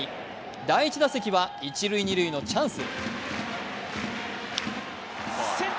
第１打席は一・二塁のチャンス。